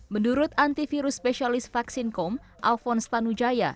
menurut antivirus spesialis vaksin com alphonse tanujaya